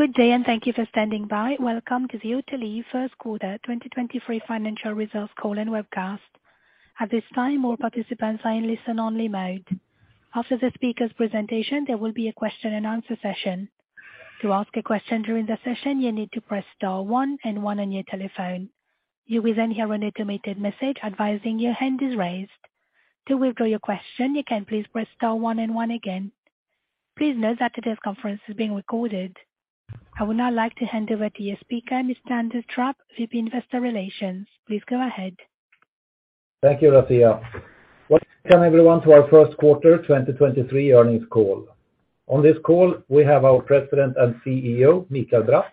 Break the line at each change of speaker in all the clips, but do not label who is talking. Good day and thank you for standing by. Welcome to Autoliv first quarter 2023 financial results call and webcast. At this time, all participants are in listen only mode. After the speaker's presentation, there will be a question and answer session. To ask a question during the session, you need to press star one, and one on your telephone. You will then hear an automated message advising your hand is raised. To withdraw your question, you can please press star one and one again. Please note that today's conference is being recorded. I would now like to hand over to your speaker, Mr. Anders Trapp, VP Investor Relations. Please go ahead.
Thank you, Rafiya. Welcome everyone to our 1st quarter 2023 earnings call. On this call, we have our President and CEO, Mikael Bratt,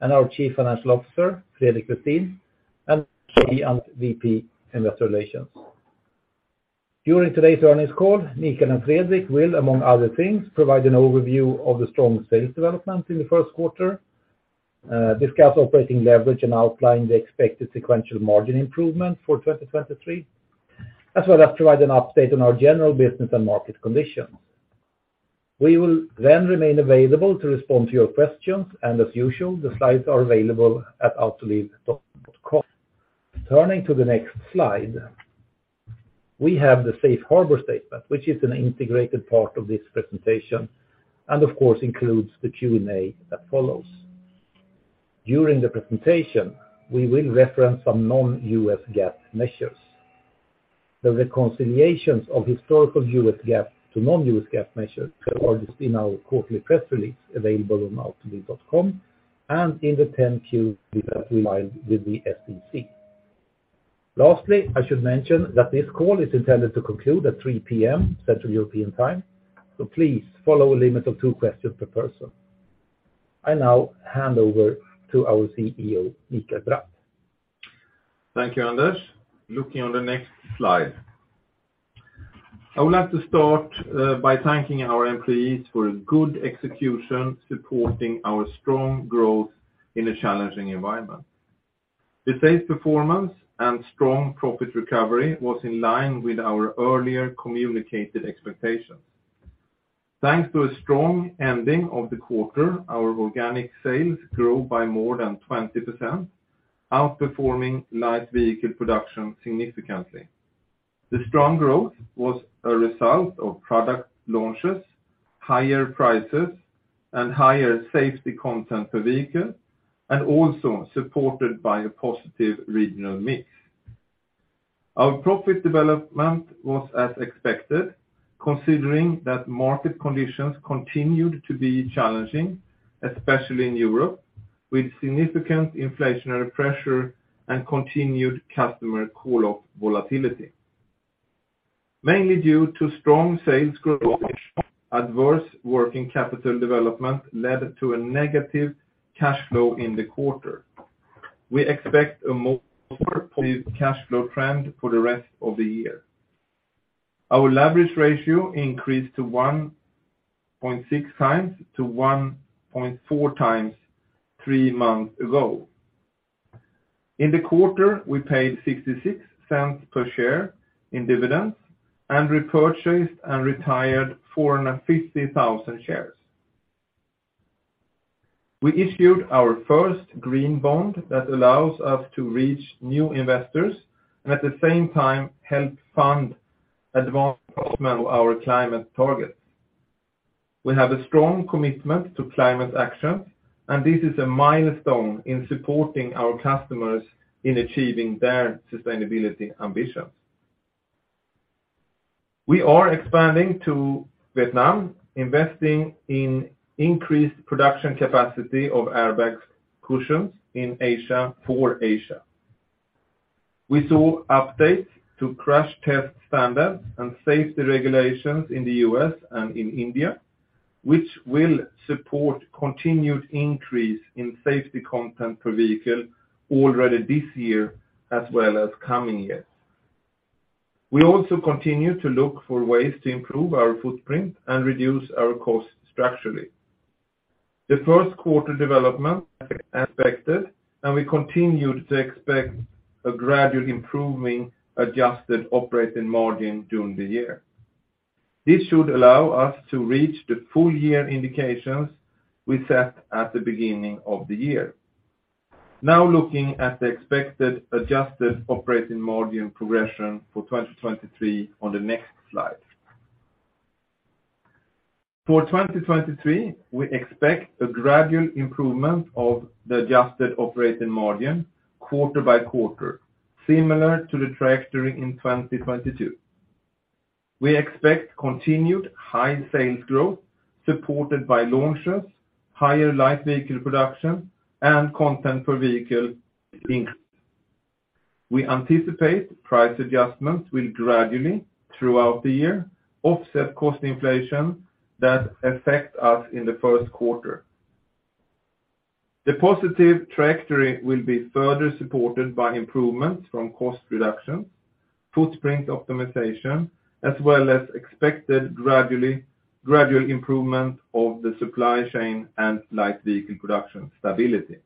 and our Chief Financial Officer, Fredrik Westin, and me, and VP Investor Relations. During today's earnings call, Mika and Fredrik will, among other things, provide an overview of the strong sales development in the 1st quarter, discuss operating leverage and outline the expected sequential margin improvement for 2023. As well as provide an update on our general business and market conditions. We will then remain available to respond to your questions, and as usual, the slides are available at Autoliv.com. Turning to the next slide, we have the Safe Harbor statement, which is an integrated part of this presentation, and of course, includes the Q&A that follows. During the presentation, we will reference some non-U.S. GAAP measures. The reconciliations of historical U.S. GAAP to non-U.S. GAAP measures are in our quarterly press release available on Autoliv.com and in the 10-Q we filed with the SEC. Lastly, I should mention that this call is intended to conclude at 3:00 P.M., Central European Time. Please follow a limit of two questions per person. I now hand over to our CEO, Mikael Bratt.
Thank you, Anders. Looking on the next slide. I would like to start by thanking our employees for a good execution, supporting our strong growth in a challenging environment. The sales performance and strong profit recovery was in line with our earlier communicated expectations. Thanks to a strong ending of the quarter, our Organic Sales grew by more than 20%, outperforming Light Vehicle Production significantly. The strong growth was a result of product launches, higher prices, and higher safety content per vehicle, and also supported by a positive regional mix. Our profit development was as expected, considering that market conditions continued to be challenging, especially in Europe, with significant inflationary pressure and continued customer call-off volatility. Mainly due to strong sales growth, adverse trade working capital development led to a negative cash flow in the quarter. We expect a more positive cash flow trend for the rest of the year. Our leverage ratio increased to 1.6 times to 1.4 times three months ago. In the quarter, we paid $0.66 per share in dividends and repurchased and retired 450,000 shares. We issued our first Green Bond that allows us to reach new investors and at the same time, help fund advancement of our climate targets. We have a strong commitment to climate action, and this is a milestone in supporting our customers in achieving their sustainability ambitions. We are expanding to Vietnam, investing in increased production capacity of Airbag cushions in Asia, for Asia. We saw updates to crash test standards and safety regulations in the U.S. and in India, which will support continued increase in safety content per vehicle already this year as well as coming years. We also continue to look for ways to improve our footprint and reduce our cost structurally. The first quarter development expected. We continued to expect a gradual improving Adjusted Operating Margin during the year. This should allow us to reach the full year indications we set at the beginning of the year. Looking at the expected Adjusted Operating Margin progression for 2023 on the next slide. For 2023, we expect a gradual improvement of the Adjusted Operating Margin quarter by quarter, similar to the trajectory in 2022. We expect continued high sales growth supported by launches, higher Light Vehicle Production, and Content Per Vehicle increase. We anticipate price adjustments will gradually, throughout the year, offset cost inflation that affect us in the first quarter. The positive trajectory will be further supported by improvements from cost reductions, footprint optimization, as well as expected gradual improvement of the supply chain and Light Vehicle Production stability.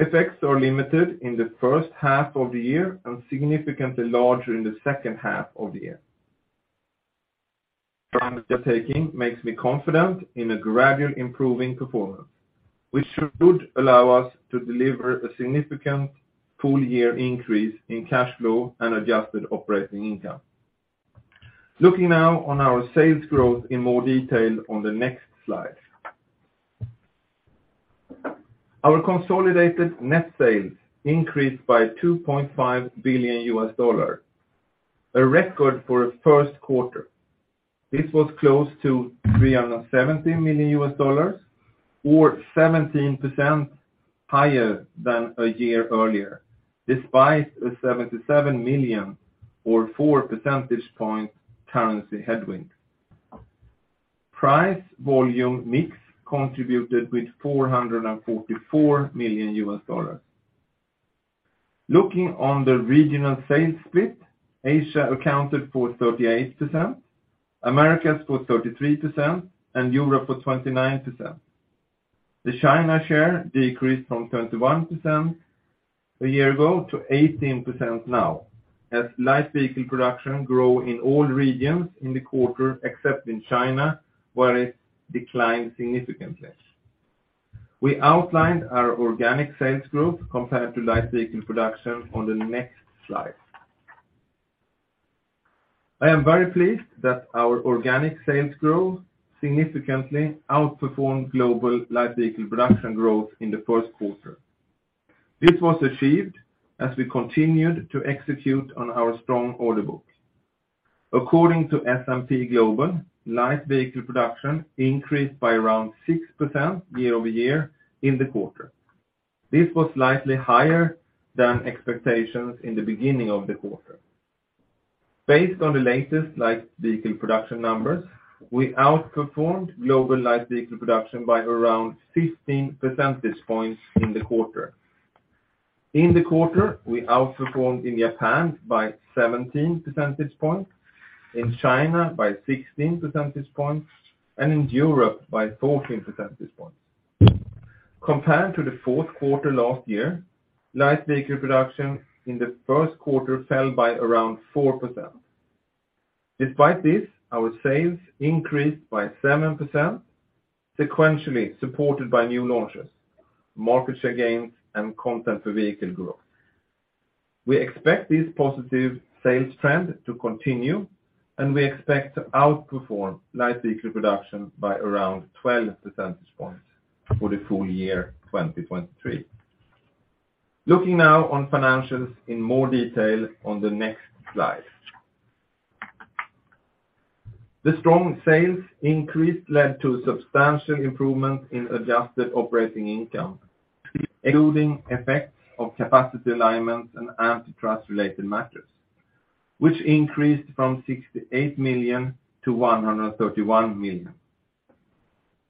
Effects are limited in the first half of the year and significantly larger in the second half of the year. From the taking makes me confident in a gradual improving performance, which should allow us to deliver a significant full year increase in cash flow and adjusted operating income. Looking now on our sales growth in more detail on the next slide. Our consolidated net sales increased by $2.5 billion, a record for a first quarter. This was close to $370 million, or 17% higher than a year earlier, despite a $77 million, or 4 percentage points currency headwind. Price volume mix contributed with $444 million. Looking on the regional sales split, Asia accounted for 38%, Americas for 33%, and Europe for 29%. The China share decreased from 21% a year ago to 18% now, as Light Vehicle Production grow in all regions in the quarter, except in China, where it declined significantly. We outlined our Organic Sales growth compared to Light Vehicle Production on the next slide. I am very pleased that our Organic Sales growth significantly outperformed global Light Vehicle Production growth in the first quarter. This was achieved as we continued to execute on our strong order book. According to S&P Global, Light Vehicle Production increased by around 6% year-over-year in the quarter. This was slightly higher than expectations in the beginning of the quarter. Based on the latest Light Vehicle Production numbers, we outperformed global Light Vehicle Production by around 15 percentage points in the quarter. In the quarter, we outperformed in Japan by 17 percentage points, in China by 16 percentage points, and in Europe by 14 percentage points. Compared to the fourth quarter last year, Light Vehicle Production in the first quarter fell by around 4%. Despite this, our sales increased by 7% sequentially, supported by new launches, market share gains, and content per vehicle growth. We expect this positive sales trend to continue. We expect to outperform Light Vehicle Production by around 12 percentage points for the full year, 2023. Looking now on financials in more detail on the next slide. The strong sales increase led to substantial improvement in adjusted operating income, excluding effects of capacity alignment and antitrust-related matters, which increased from $68 million to $131 million.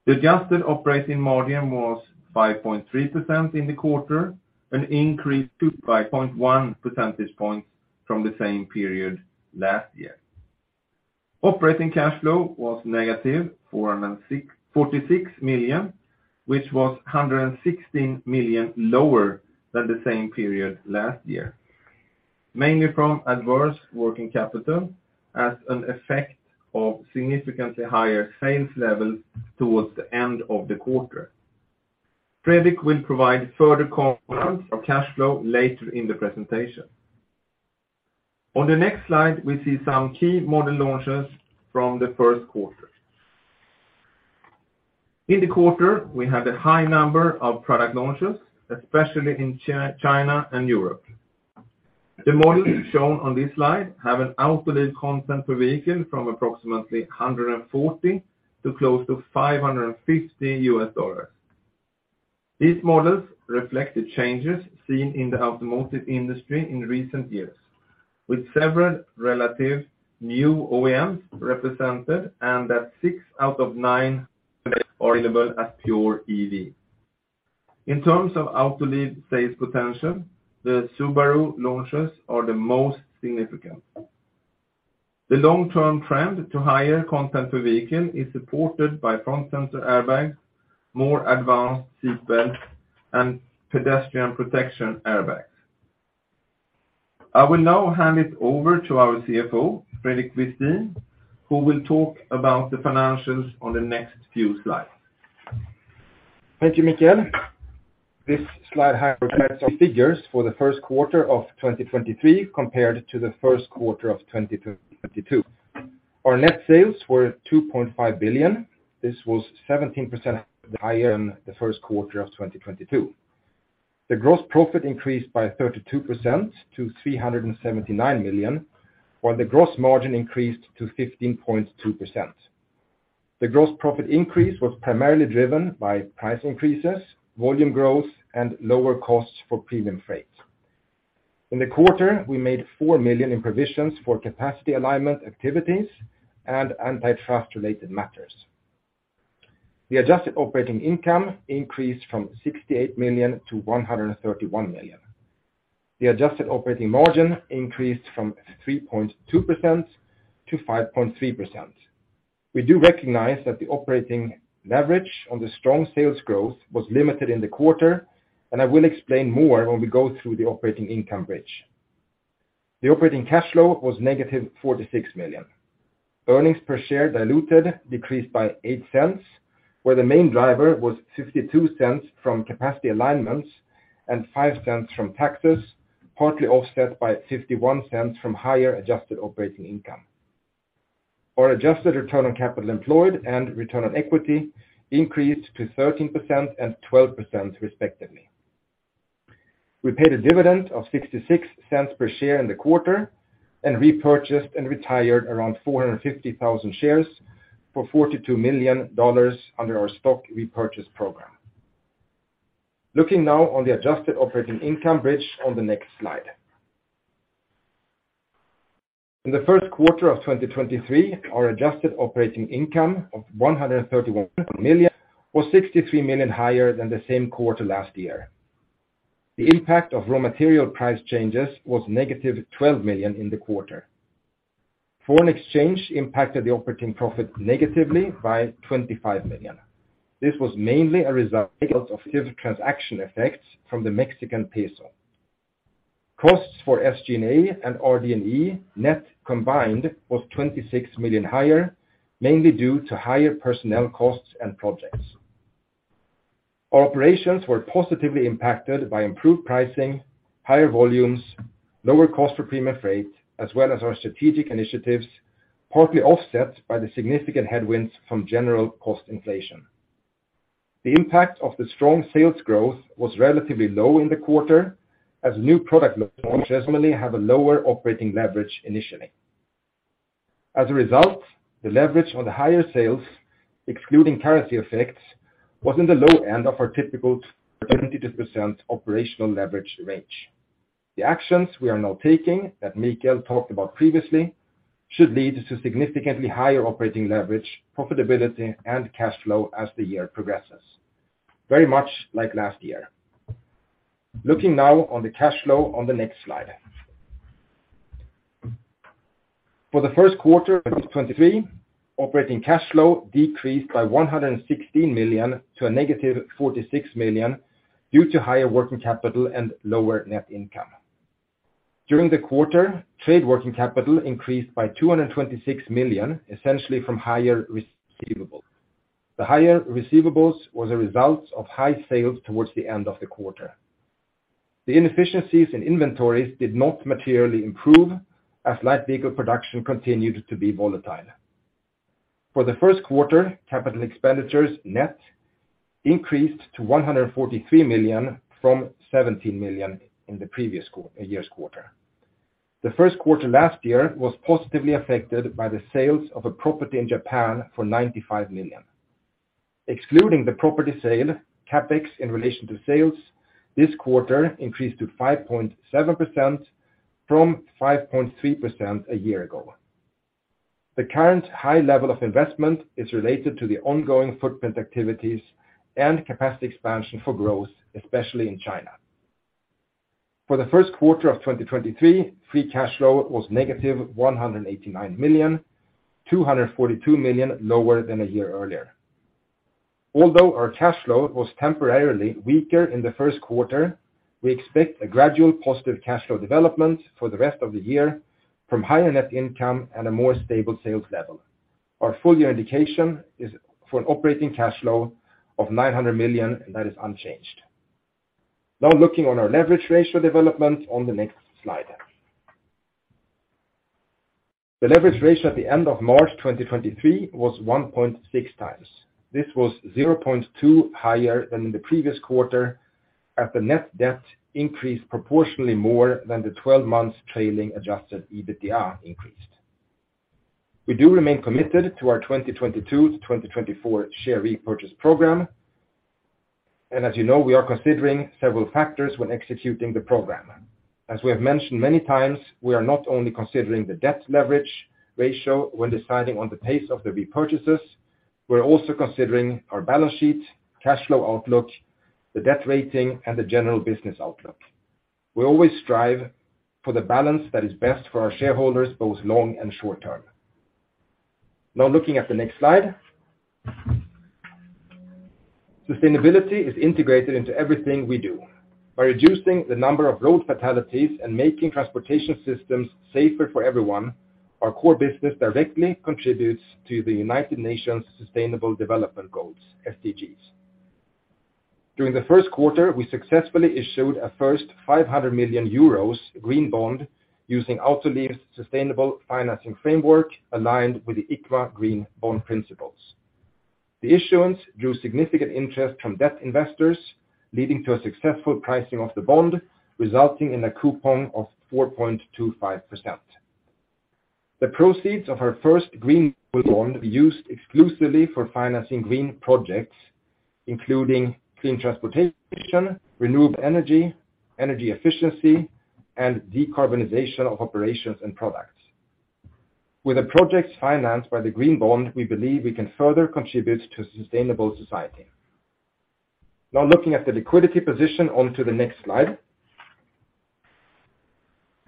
The Adjusted Operating Margin was 5.3% in the quarter, an increase by 0.1 percentage points from the same period last year. operating cash flow was negative $446 million, which was $116 million lower than the same period last year, mainly from adverse working capital as an effect of significantly higher sales levels towards the end of the quarter. Fredrik will provide further components of cash flow later in the presentation. On the next slide, we see some key model launches from the first quarter. In the quarter, we had a high number of product launches, especially in China and Europe. The models shown on this slide have an Autoliv content per vehicle from approximately $140 to close to $550. These models reflect the changes seen in the automotive industry in recent years, with several relative new OEMs represented, and that 6 out of 9 are available as pure EV. In terms of Autoliv sales potential, the Subaru launches are the most significant. The long-term trend to higher content per vehicle is supported by front center airbag, more advanced seatbelts, and Pedestrian protection airbags. I will now hand it over to our CFO, Fredrik Westin, who will talk about the financials on the next few slides.
Thank you, Mikael. This slide highlights our figures for the first quarter of 2023 compared to the first quarter of 2022. Our net sales were $2.5 billion. This was 17% higher than the first quarter of 2022. The Gross Profit increased by 32% to $379 million, while the Gross Margin increased to 15.2%. The Gross Profit increase was primarily driven by price increases, volume growth, and lower costs for premium freight. In the quarter, we made $4 million in provisions for capacity alignment activities and antitrust-related matters. The adjusted operating income increased from $68 million-$131 million. The Adjusted Operating Margin increased from 3.2% to 5.3%. We do recognize that the operating leverage on the strong sales growth was limited in the quarter, and I will explain more when we go through the operating income bridge. The operating cash flow was -$46 million. Earnings per share diluted decreased by $0.08, where the main driver was $0.52 from capacity alignments and $0.05 from taxes, partly offset by $0.51 from higher adjusted operating income. Our adjusted return on capital employed and return on equity increased to 13% and 12% respectively. We paid a dividend of $0.66 per share in the quarter and repurchased and retired around 450,000 shares for $42 million under our stock repurchase program. Looking now on the adjusted operating income bridge on the next slide. In the first quarter of 2023, our Adjusted Operating Income of $131 million was $63 million higher than the same quarter last year. The impact of raw material price changes was negative $12 million in the quarter. Foreign exchange impacted the operating profit negatively by $25 million. This was mainly a result of transaction effects from the Mexican peso. Costs for SG&A and RD&E net combined was $26 million higher, mainly due to higher personnel costs and projects. Our operations were positively impacted by improved pricing, higher volumes, lower cost per premium freight, as well as our strategic initiatives, partly offset by the significant headwinds from general cost inflation. The impact of the strong sales growth was relatively low in the quarter as new product launch definitely have a lower operating leverage initially. As a result, the leverage on the higher sales, excluding currency effects, was in the low end of our typical 32% operational leverage range. The actions we are now taking, that Mikael talked about previously, should lead to significantly higher operating leverage, profitability, and cash flow as the year progresses, very much like last year. Looking now on the cash flow on the next slide. For the first quarter of 2023, operating cash flow decreased by $116 million to a negative $46 million due to higher working capital and lower net income. During the quarter, trade working capital increased by $226 million, essentially from higher receivables. The higher receivables was a result of high sales towards the end of the quarter. The inefficiencies in inventories did not materially improve as Light Vehicle Production continued to be volatile. For the first quarter, capital expenditures net increased to $143 million from $17 million in the previous year's quarter. The first quarter last year was positively affected by the sales of a property in Japan for $95 million. Excluding the property sale, CapEx in relation to sales this quarter increased to 5.7% from 5.3% a year ago. The current high level of investment is related to the ongoing footprint activities and capacity expansion for growth, especially in China. For the first quarter of 2023, free cash flow was negative $189 million, $242 million lower than a year earlier. Although our cash flow was temporarily weaker in the first quarter, we expect a gradual positive cash flow development for the rest of the year from higher net income and a more stable sales level. Our full year indication is for an operating cash flow of $900 million. That is unchanged. Looking on our leverage ratio development on the next slide. The leverage ratio at the end of March 2023 was 1.6x. This was 0.2 higher than in the previous quarter, as the net debt increased proportionally more than the 12 months trailing adjusted EBITDA increased. We do remain committed to our 2022-2024 share repurchase program. As you know, we are considering several factors when executing the program. As we have mentioned many times, we are not only considering the debt leverage ratio when deciding on the pace of the repurchases, we're also considering our balance sheet, cash flow outlook, the debt rating, and the general business outlook. We always strive for the balance that is best for our shareholders, both long and short term. Looking at the next slide. Sustainability is integrated into everything we do. By reducing the number of road fatalities and making transportation systems safer for everyone, our core business directly contributes to the United Nations Sustainable Development Goals, SDGs. During the first quarter, we successfully issued a first 500 million euros Green Bond using Autoliv's Sustainable Financing Framework aligned with the ICMA Green Bond Principles. The issuance drew significant interest from debt investors, leading to a successful pricing of the bond, resulting in a coupon of 4.25%. The proceeds of our first Green Bond will be used exclusively for financing green projects, including clean transportation, renewable energy efficiency, and decarbonization of operations and products. With the projects financed by the green bond, we believe we can further contribute to a sustainable society. Looking at the liquidity position onto the next slide.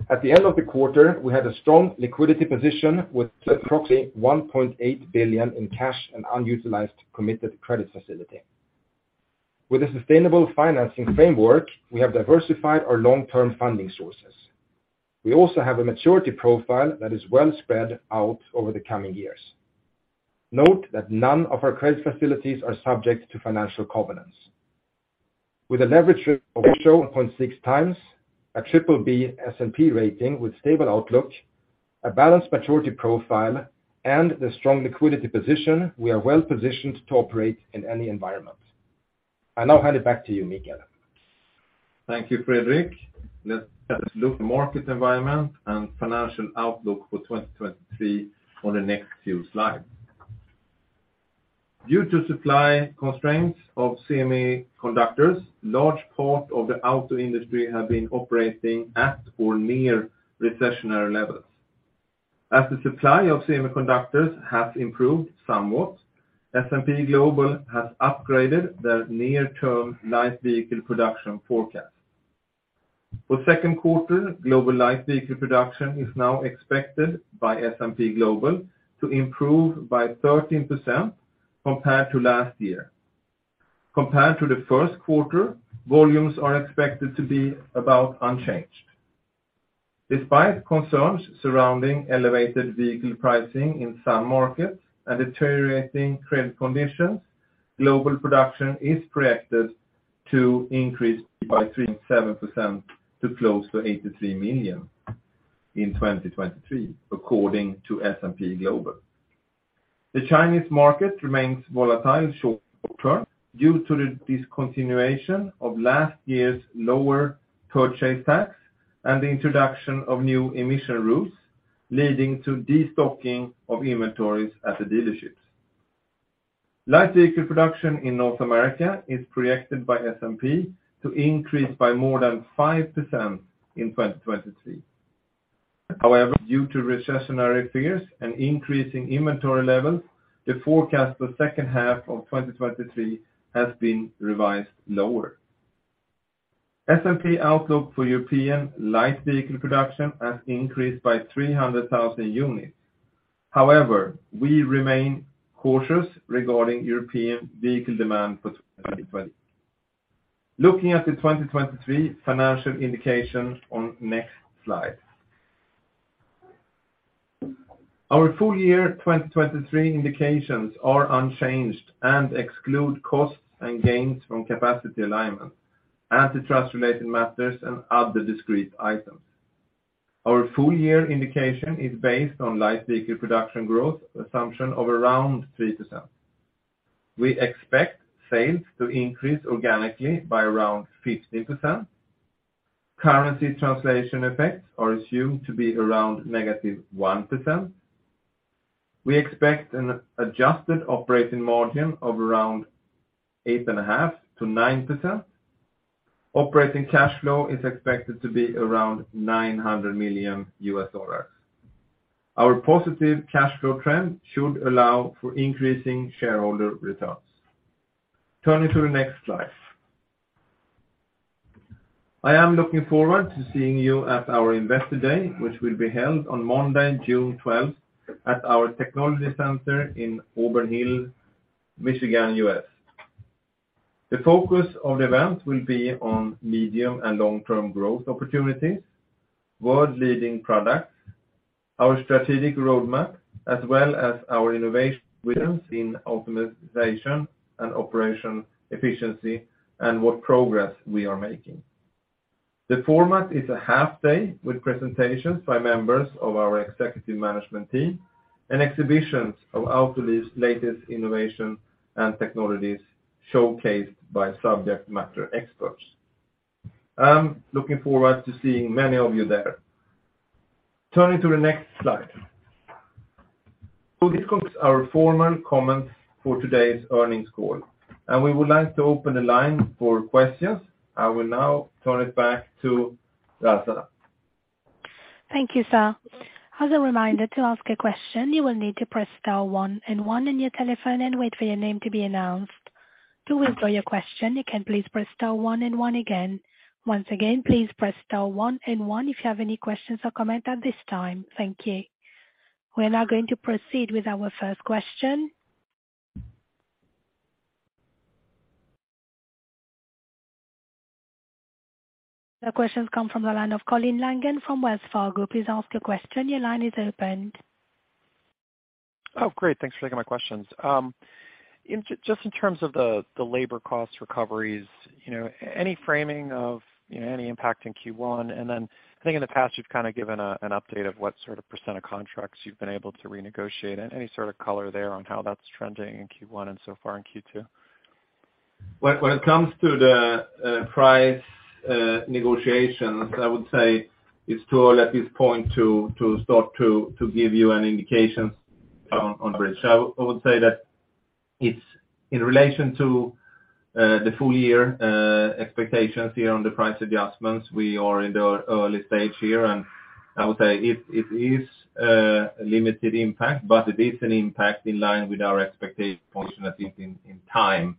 At the end of the quarter, we had a strong liquidity position with approximately $1.8 billion in cash and unutilized committed credit facility. With a Sustainable Financing Framework, we have diversified our long-term funding sources. We also have a maturity profile that is well spread out over the coming years. Note that none of our credit facilities are subject to financial covenants. With a leverage of 0.6x, a BBB S&P rating with stable outlook, a balanced maturity profile and the strong liquidity position, we are well-positioned to operate in any environment. I now hand it back to you, Mikael.
Thank you, Fredrik. Let's look at the market environment and financial outlook for 2023 on the next few slides. Due to supply constraints of semiconductors, large part of the auto industry have been operating at or near recessionary levels. As the supply of semiconductors has improved somewhat, S&P Global has upgraded their near term Light Vehicle Production forecast. For second quarter, global Light Vehicle Production is now expected by S&P Global to improve by 13% compared to last year. Compared to the first quarter, volumes are expected to be about unchanged. Despite concerns surrounding elevated vehicle pricing in some markets and deteriorating credit conditions, global production is projected to increase by 3.7% to close to 83 million in 2023 according to S&P Global. The Chinese market remains volatile short term due to the discontinuation of last year's lower purchase tax and the introduction of new emission rules leading to destocking of inventories at the dealerships. Light Vehicle Production in North America is projected by S&P to increase by more than 5% in 2023. Due to recessionary fears and increasing inventory levels, the forecast for second half of 2023 has been revised lower. S&P outlook for European Light Vehicle Production has increased by 300,000 units. We remain cautious regarding European vehicle demand for 2020. Looking at the 2023 financial indications on next slide. Our full year 2023 indications are unchanged and exclude costs and gains from capacity alignment, antitrust-related matters and other discrete items. Our full year indication is based on Light Vehicle Production growth assumption of around 3%. We expect sales to increase organically by around 15%. Currency translation effects are assumed to be around negative 1%. We expect an Adjusted Operating Margin of around 8.5%-9%. Operating cash flow is expected to be around $900 million. Our positive cash flow trend should allow for increasing shareholder returns. Turning to the next slide. I am looking forward to seeing you at our Investor Day, which will be held on Monday, June 12th at our technology center in Auburn Hills, Michigan, U.S. The focus of the event will be on medium and long-term growth opportunities, world-leading products, our strategic roadmap, as well as our innovation in optimization and operation efficiency and what progress we are making. The format is a half day with presentations by members of our executive management team and exhibitions of Autoliv's latest innovation and technologies showcased by subject matter experts. I'm looking forward to seeing many of you there. Turning to the next slide. This concludes our formal comments for today's earnings call, and we would like to open the line for questions. I will now turn it back to Rafiya.
Thank you, sir. As a reminder to ask a question, you will need to press star one and one on your telephone and wait for your name to be announced. To withdraw your question, you can please press star one and one again. Once again, please press star one and one if you have any questions or comments at this time. Thank you. We are now going to proceed with our first question. The question comes from the line of Colin Langan from Wells Fargo. Please ask your question. Your line is open.
Oh, great. Thanks for taking my questions. Just in terms of the labor cost recoveries, you know, any framing of, you know, any impact in Q1? I think in the past, you've kind of given an update of what sort of % of contracts you've been able to renegotiate. Any sort of color there on how that's trending in Q1 and so far in Q2?
When it comes to the price negotiations, I would say it's too early at this point to start to give you an indication on bridge. I would say that it's in relation to the full year expectations here on the price adjustments. We are in the early stage here, and I would say it is a limited impact, but it is an impact in line with our expectation, at least in time.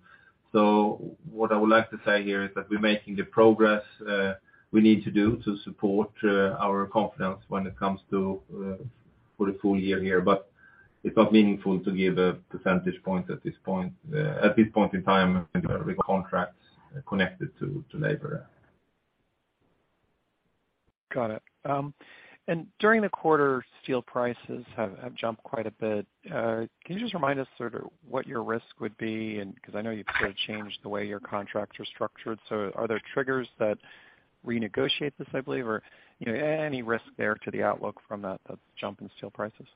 What I would like to say here is that we're making the progress we need to do to support our confidence when it comes to for the full year here.
It's not meaningful to give a percentage point at this point in time with contracts connected to labor.
Got it. During the quarter, steel prices have jumped quite a bit. Can you just remind us sort of what your risk would be because I know you've sort of changed the way your contracts are structured. Are there triggers that renegotiate this, I believe? Or, you know, any risk there to the outlook from that jump in steel prices?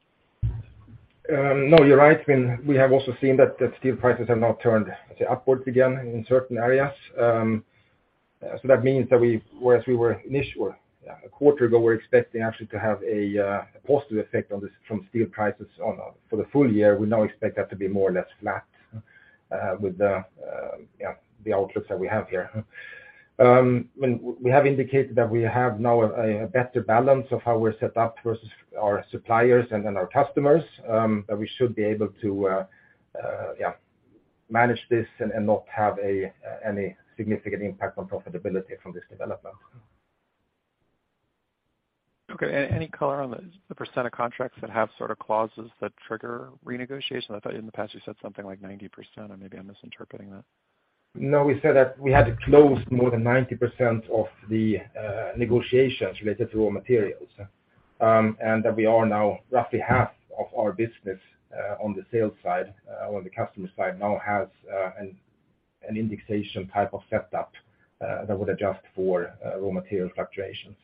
No, you're right. I mean, we have also seen that steel prices have now turned, say, upwards again in certain areas. That means that whereas we were initial, a quarter ago, we're expecting actually to have a positive effect on this from steel prices on for the full year. We now expect that to be more or less flat, with the, yeah, the outlooks that we have here. When we have indicated that we have now a better balance of how we're set up versus our suppliers and then our customers, that we should be able to, yeah, manage this and not have any significant impact on profitability from this development.
Okay. Any color on the percent of contracts that have sort of clauses that trigger renegotiation? I thought in the past you said something like 90%, or maybe I'm misinterpreting that.
No, we said that we had closed more than 90% of the negotiations related to raw materials, and that we are now roughly half of our business, on the sales side, on the customer side now has an indexation type of setup, that would adjust for raw material fluctuations.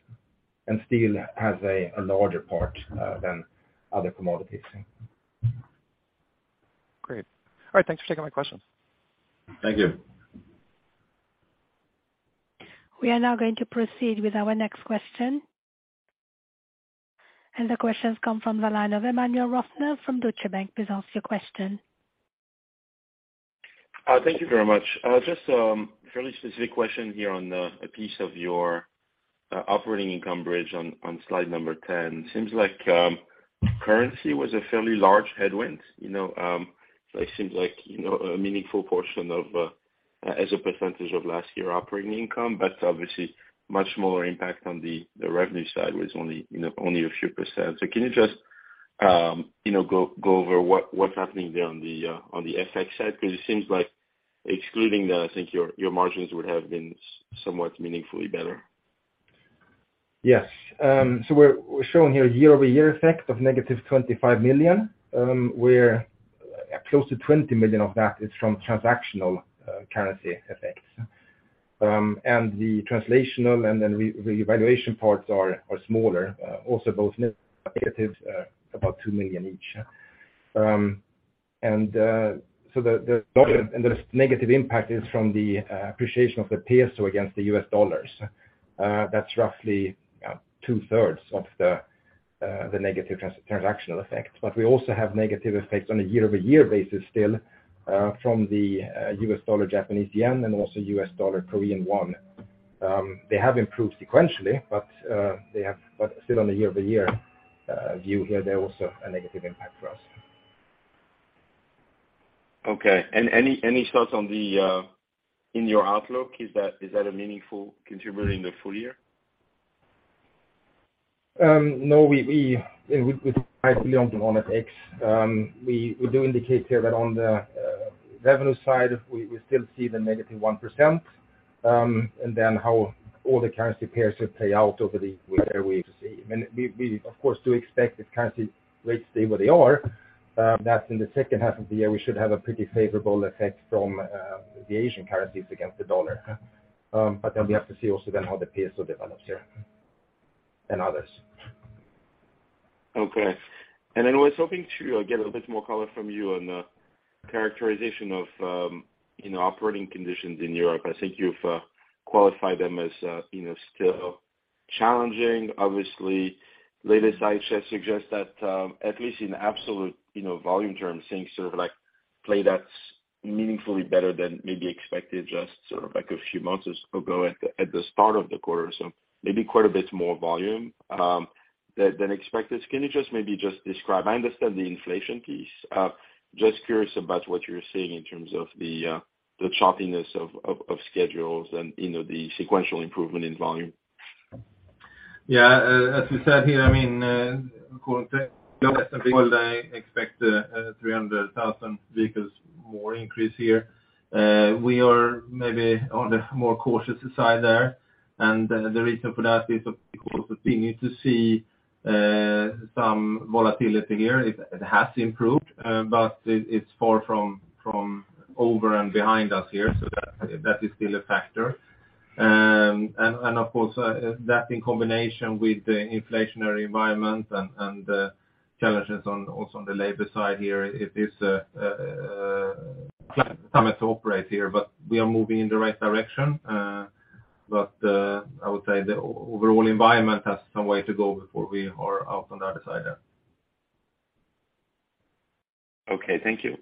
Steel has a larger part than other commodities.
Great. All right, thanks for taking my questions.
Thank you.
We are now going to proceed with our next question. The question's come from the line of Emmanuel Rosner from Deutsche Bank. Please ask your question.
Thank you very much. Just, fairly specific question here on a piece of your operating income bridge on slide 10. Seems like currency was a fairly large headwind, you know, so it seems like, you know, a meaningful portion of as a percentage of last year operating income, but obviously much smaller impact on the revenue side was only, you know, only a few percentage. Can you just, you know, go over what's happening there on the FX side? 'Cause it seems like excluding that, I think your margins would have been somewhat meaningfully better.
Yes. We're showing here year-over-year effect of negative $25 million, where close to $20 million of that is from transactional currency effects. The translational and revaluation parts are smaller, also both net about $2 million each. The negative impact is from the appreciation of the Mexican peso against the US dollar. That's roughly two-thirds of the negative transactional effect. We also have negative effects on a year-over-year basis still from the US dollar, Japanese yen, and also US dollar, Korean won. They have improved sequentially, but still on a year-over-year view here, they're also a negative impact for us.
Okay. Any thoughts on the, in your outlook, is that a meaningful contributor in the full year?
No, we, with price on FX, we do indicate here that on the revenue side, we still see the -1%, and then how all the currency pairs should play out over the weather we've seen. We of course do expect if currency rates stay where they are, that in the second half of the year, we should have a pretty favorable effect from the Asian currencies against the dollar. We have to see also then how the peso develops here, and others.
I was hoping to get a bit more color from you on the characterization of, you know, operating conditions in Europe. I think you've qualified them as, you know, still challenging. Obviously, latest data suggests that, at least in absolute, you know, volume terms, things sort of like play that's meaningfully better than maybe expected, just sort of like a few months ago at the start of the quarter. Maybe quite a bit more volume than expected. Can you just maybe just describe? I understand the inflation piece. Just curious about what you're seeing in terms of the choppiness of schedules and, you know, the sequential improvement in volume.
Yeah. As we said here, I mean, I expect 300,000 vehicles more increase here. We are maybe on the more cautious side there. The reason for that is, of course, we need to see some volatility here. It has improved, but it's far from over and behind us here. That is still a factor. Of course, that in combination with the inflationary environment and challenges on, also on the labor side here, it is tough to operate here, but we are moving in the right direction. I would say the overall environment has some way to go before we are out on the other side there.
Okay, thank you.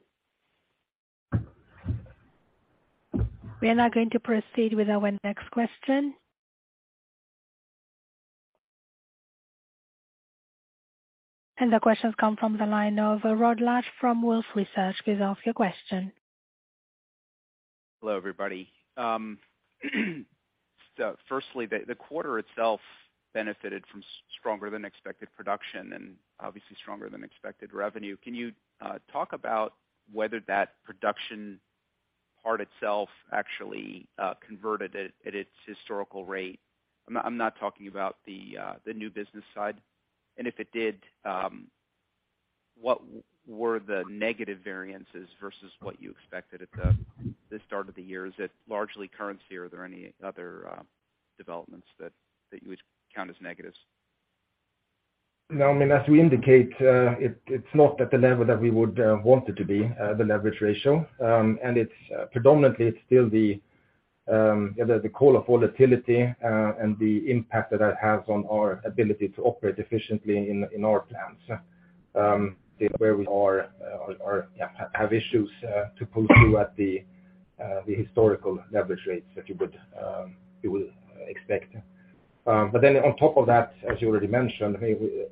We are now going to proceed with our next question. The question's come from the line of Rod Lache from Wolfe Research. Please ask your question.
Hello everybody. Firstly, the quarter itself benefited from stronger than expected production and obviously stronger than expected revenue. Can you talk about whether that production part itself actually converted at its historical rate? I'm not talking about the new business side. If it did, what were the negative variances versus what you expected at the start of the year? Is it largely currency, or are there any other developments that you would count as negatives?
I mean, as we indicate, it's not at the level that we would want it to be, the leverage ratio. It's predominantly it's still the call of volatility and the impact that that has on our ability to operate efficiently in our plants, where we have issues to pull through at the historical leverage rates that you would expect. On top of that, as you already mentioned,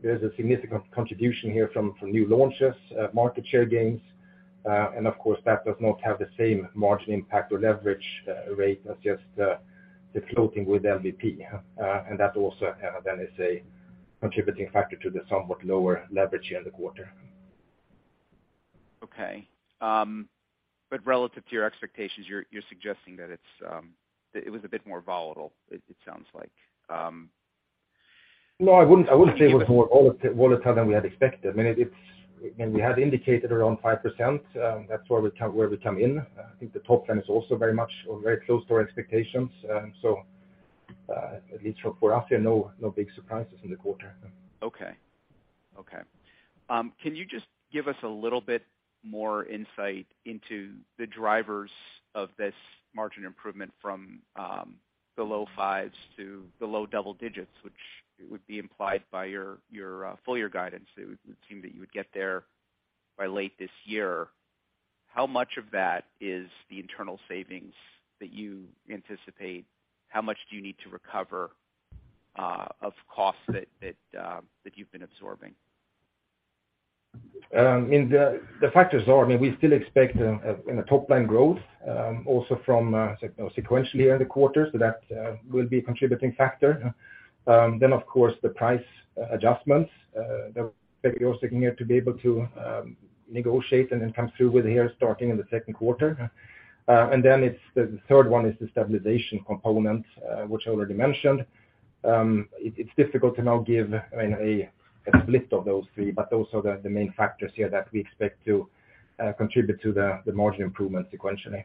there's a significant contribution here from new launches, market share gains, and of course, that does not have the same margin impact or leverage rate as just the floating with LBP. That also, then is a contributing factor to the somewhat lower leverage here in the quarter.
Okay. Relative to your expectations, you're suggesting that it's, it was a bit more volatile, it sounds like?
No, I wouldn't say it was more volatile than we had expected. I mean, we had indicated around 5%, that's where we come in. I think the top ten is also very much or very close to our expectations. At least for us, yeah, no big surprises in the quarter.
Okay. Okay. Can you just give us a little bit more insight into the drivers of this margin improvement from the low 5s to the low double-digits, which would be implied by your full-year guidance? It would seem that you would get there by late this year. How much of that is the internal savings that you anticipate? How much do you need to recover of costs that you've been absorbing?
The factors are, I mean, we still expect in the top line growth, also from, you know, sequentially here in the quarter, so that will be a contributing factor. Of course, the price adjustments that we're also looking at to be able to negotiate and then come through with here starting in the second quarter. It's the third one is the stabilization component, which I already mentioned. It's difficult to now give, I mean, a split of those three, those are the main factors here that we expect to contribute to the margin improvement sequentially.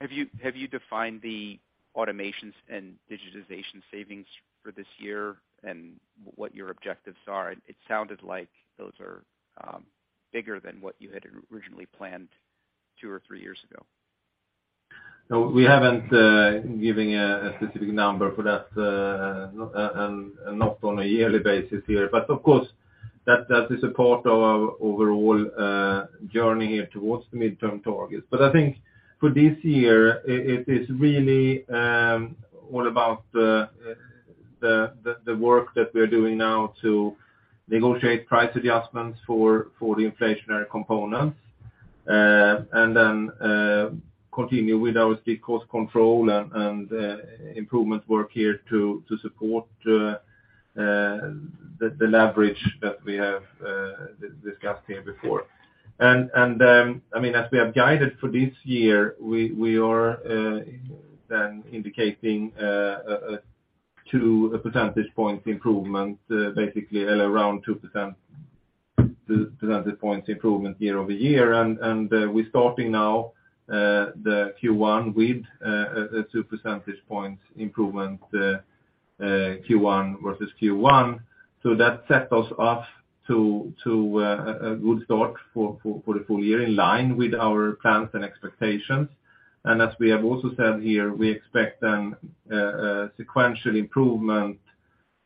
Have you defined the automations and digitization savings for this year and what your objectives are? It sounded like those are bigger than what you had originally planned two or three years ago.
No, we haven't given a specific number for that, not on a yearly basis here, but of course that does support our overall journey here towards the midterm targets. I think for this year, it is really all about the work that we're doing now to negotiate price adjustments for the inflationary components, and then continue with our strict cost control and improvement work here to support the leverage that we have discussed here before. I mean, as we have guided for this year, we are then indicating 2 percentage points improvement, basically around 2%, 2 percentage points improvement year-over-year. We're starting now, the Q1 with 2 percentage points improvement, Q1 versus Q1. That sets us off to a good start for the full year in line with our plans and expectations. As we have also said here, we expect a sequential improvement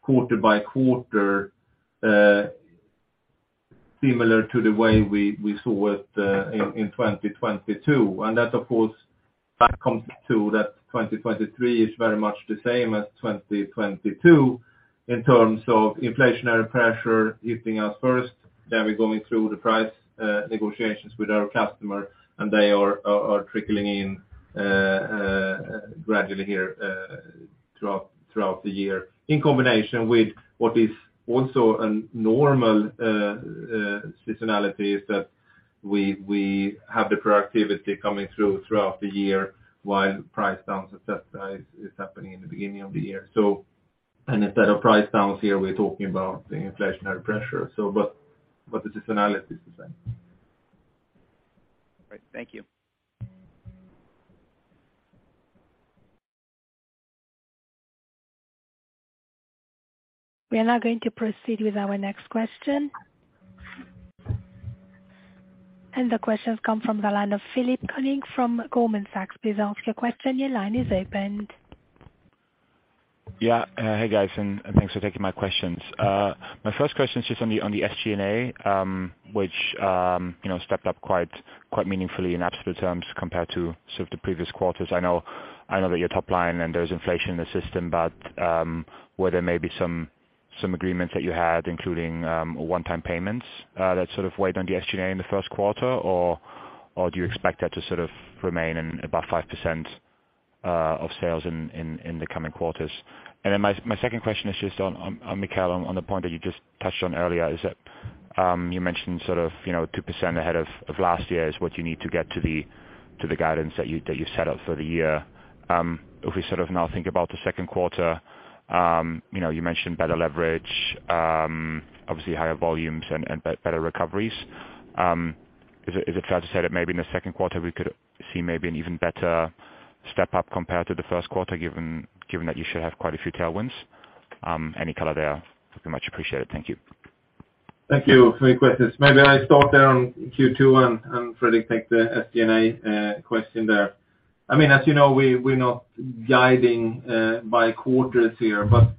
quarter by quarter, similar to the way we saw it in 2022. That of course, that comes to that 2023 is very much the same as 2022 in terms of inflationary pressure hitting us first, then we're going through the price negotiations with our customer and they are trickling in gradually here throughout the year. In combination with what is also a normal seasonality is that we have the productivity coming through throughout the year while price down success is happening in the beginning of the year. Instead of price downs here, we're talking about the inflationary pressure. But the seasonality is the same.
Right. Thank you.
We are now going to proceed with our next question. The question's come from the line of Philipp Koenig from Goldman Sachs. Please ask your question. Your line is open.
Yeah. Hey, guys. Thanks for taking my questions. My first question is just on the SG&A, which, you know, stepped up quite meaningfully in absolute terms compared to sort of the previous quarters. I know that your top line and there's inflation in the system, were there maybe some agreements that you had, including one-time payments, that sort of weighed on the SG&A in the first quarter? Do you expect that to sort of remain in about 5% of sales in the coming quarters? My second question is just on Mikael, on the point that you just touched on earlier is that you mentioned, you know, 2% ahead of last year is what you need to get to the guidance that you set out for the year. If we now think about the second quarter, you know, you mentioned better leverage, obviously higher volumes and better recoveries. Is it fair to say that maybe in the second quarter we could see maybe an even better step up compared to the first quarter, given that you should have quite a few tailwinds? Any color there would be much appreciated. Thank you.
Thank you for your questions. Maybe I start there on Q2 and Fredrik take the SG&A question there. I mean, as you know, we're not guiding by quarters here, but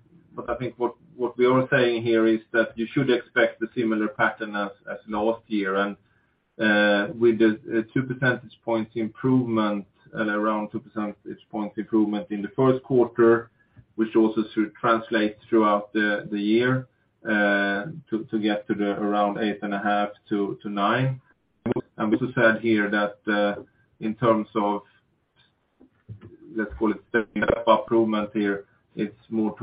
I think what we are saying here is that you should expect the similar pattern as last year. With the around 2 percentage points improvement in the first quarter, which also should translate throughout the year to get to the around 8.5%-9%. We also said here that in terms of, let's call it improvement here, it's more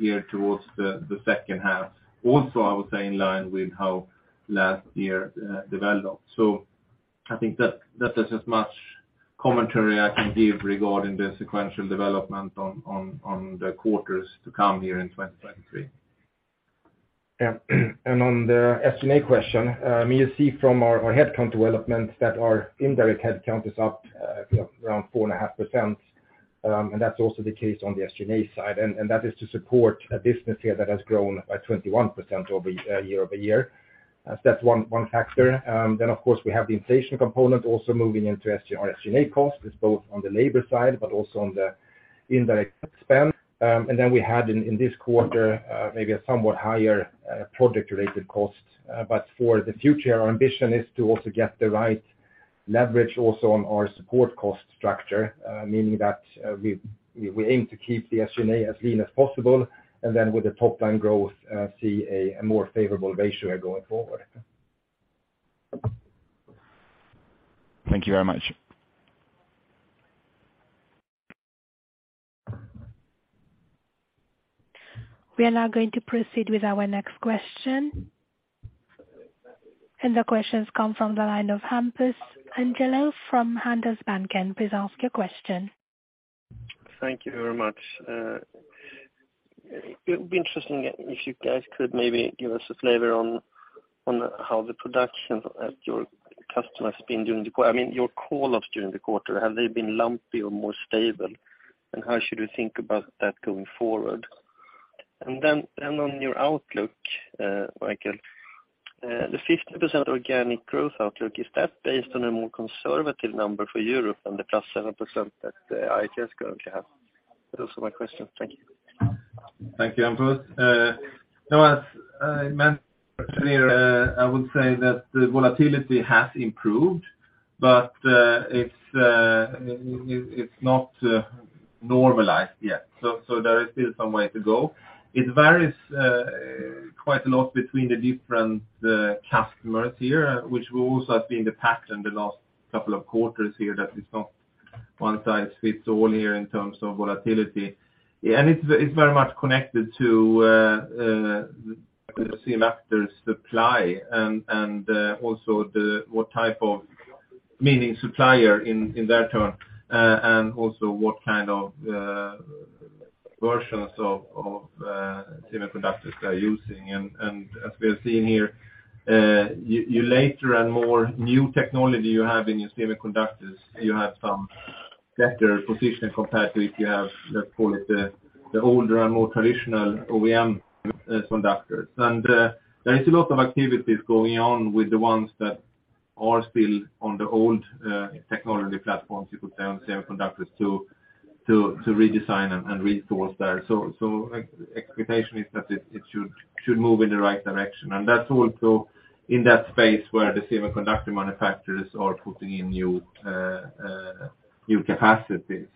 geared towards the second half. Also I would say in line with how last year developed. I think that is as much commentary I can give regarding the sequential development on the quarters to come here in 2023.
On the SG&A question, you see from our headcount developments that our indirect headcount is up around 4.5%. That's also the case on the SG&A side. That is to support a business here that has grown by 21% year-over-year. That's one factor. Of course we have the inflation component also moving into our SG&A costs. It's both on the labor side but also on the indirect spend. We had in this quarter maybe a somewhat higher project related cost. For the future, our ambition is to also get the right leverage also on our support cost structure, meaning that, we aim to keep the SG&A as lean as possible, and then with the top line growth, see a more favorable ratio going forward.
Thank you very much.
We are now going to proceed with our next question. The question's come from the line of Hampus Engellau from Handelsbanken. Please ask your question.
Thank you very much. It would be interesting if you guys could maybe give us a flavor on how the production at your customers been during the quarter. I mean, your call-offs during the quarter. Have they been lumpy or more stable? How should we think about that going forward? Then on your outlook, Mikael, the 50% organic growth outlook, is that based on a more conservative number for Europe than the +7% that IHS currently have? Those are my questions. Thank you.
Thank you, Hampus. No, as I mentioned earlier, I would say that the volatility has improved, but it's not normalized yet. There is still some way to go. It varies quite a lot between the different customers here, which will also have been the pattern the last couple of quarters here, that it's not one size fits all here in terms of volatility. It's very much connected to the same actors supply, and also the, what type of meaning supplier in their turn, and also what kind of versions of semiconductors they're using. As we're seeing here, later and more new technology you have in your semiconductors, you have some better positioning compared to if you have, let's call it the older and more traditional OEM semiconductors. There is a lot of activities going on with the ones that are still on the old technology platforms, you could say, on semiconductors to redesign and resource there. Expectation is that it should move in the right direction. That's also in that space where the semiconductor manufacturers are putting in new capacity.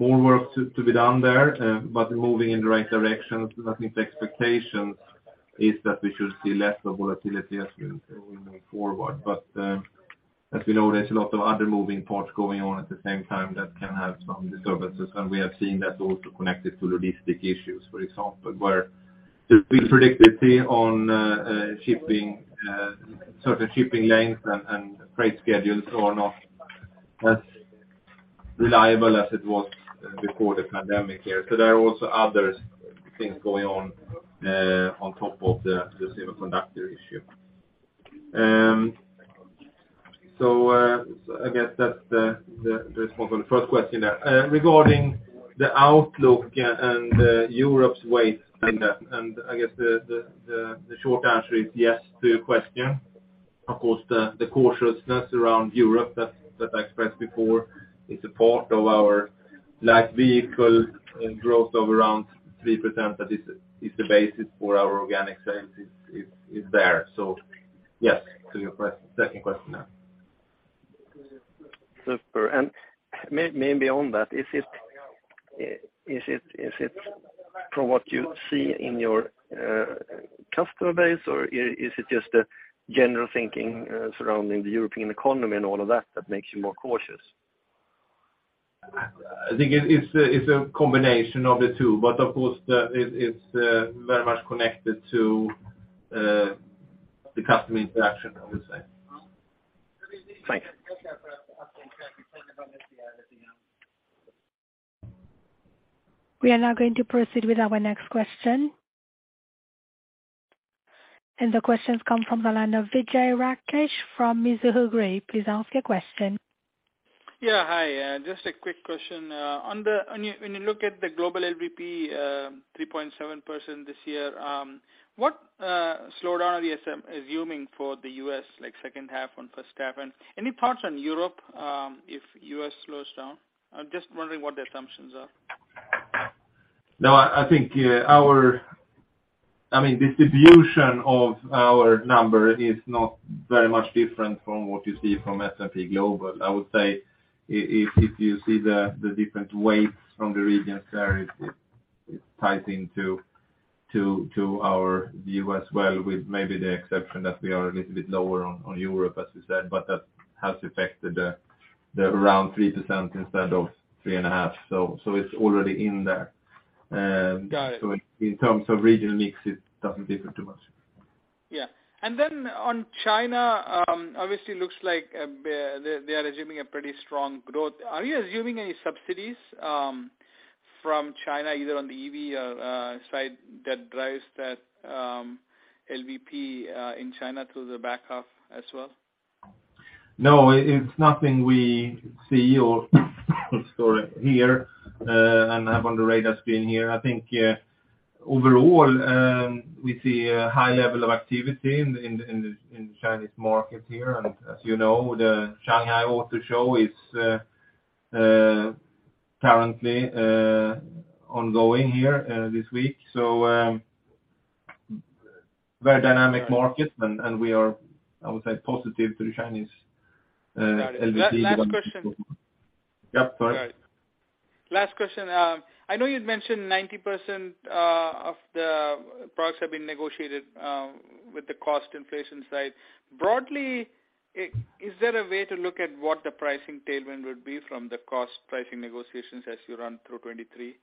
More work to be done there, but moving in the right direction. I think the expectation is that we should see less of volatility as we move forward. As we know, there's a lot of other moving parts going on at the same time that can have some disturbances. We have seen that also connected to logistic issues, for example, where the unpredictability on shipping certain shipping lengths and freight schedules are not as reliable as it was before the pandemic here. There are also other things going on on top of the semiconductor issue. I guess that's the response on the first question there. Regarding the outlook and Europe's weight in that, I guess the short answer is yes to your question. Of course, the cautiousness around Europe that I expressed before is a part of our light vehicle growth of around 3%. That is the basis for our Organic Sales is there. Yes to your second question there.
Super. Maybe on that, is it from what you see in your customer base, or is it just a general thinking surrounding the European economy and all of that makes you more cautious?
I think it's a combination of the two, but of course, it's very much connected to the customer interaction, I would say.
Thanks.
We are now going to proceed with our next question. The question comes from the line of Vijay Rakesh from Mizuho Group. Please ask your question.
Yeah. Hi, just a quick question. When you look at the global LVP, 3.7% this year, what slowdown are you assuming for the U.S., like second half and first half? Any thoughts on Europe, if U.S. slows down? I'm just wondering what the assumptions are.
No, I think, yeah, I mean, distribution of our number is not very much different from what you see from S&P Global. I would say if you see the different weights from the regions there, it ties into our view as well, with maybe the exception that we are a little bit lower on Europe, as we said, but that has affected the around 3% instead of 3.5%. It's already in there.
Got it.
In terms of regional mix, it doesn't differ too much.
Yeah. On China, obviously looks like they are assuming a pretty strong growth. Are you assuming any subsidies from China, either on the EV side that drives that LVP in China through the back half as well?
No, it's nothing we see or hear and have on the radar screen here. I think, overall, we see a high level of activity in the Chinese market here. As you know, the Shanghai Auto Show is currently ongoing here this week, so very dynamic market. We are, I would say, positive to the Chinese LVP.
Got it. Last question.
Yeah. Go ahead.
Last question. I know you'd mentioned 90% of the products have been negotiated with the cost inflation side. Broadly, is there a way to look at what the pricing tailwind would be from the cost pricing negotiations as you run through 2023?